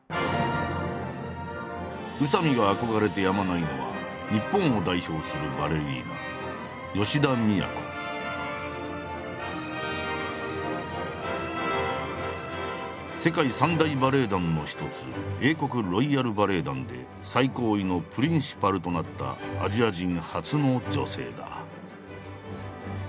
宇佐見が憧れてやまないのは日本を代表するバレリーナ世界三大バレエ団の一つ英国ロイヤル・バレエ団で最高位のプリンシパルとなったアジア人初の女性だ。